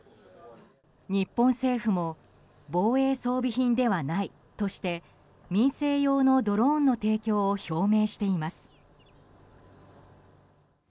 日本政府も防衛装備品ではないとして民生用のドローンの提供を表明しています。